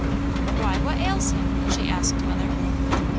"Why what ails him?" she asked mother.